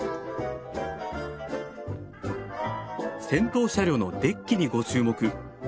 先頭車両のデッキにご注目。